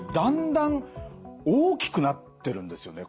だんだん大きくなってるんですよね。